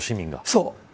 そう。